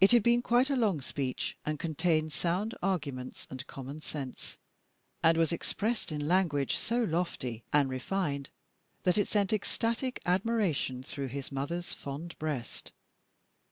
It had been quite a long speech, and contained sound arguments and common sense, and was expressed in language so lofty and refined that it sent ecstatic admiration through his mother's fond breast.